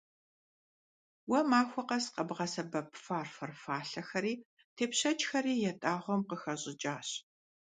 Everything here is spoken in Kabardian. Уэ махуэ къэс къэбгъэсэбэп фарфор фалъэхэри тепшэчхэри ятӀагъуэм къыхэщӀыкӀащ.